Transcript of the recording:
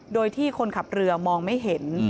โดยที่คนขับเรือมองไม่เห็น